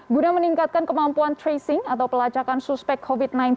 guna meningkatkan kemampuan tracing atau pelacakan suspek covid sembilan belas